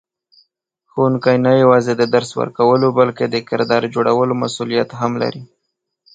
ښوونکی نه یوازې د درس ورکولو بلکې د کردار جوړولو مسئولیت هم لري.